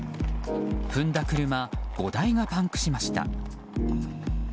踏んだ車５台がパンクしました。